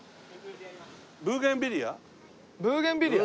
ブーゲンビリア？